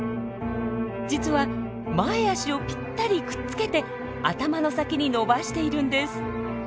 実は前足をぴったりくっつけて頭の先に伸ばしているんです。